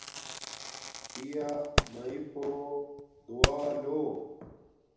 پیا مݵݵ پوہ دعا لو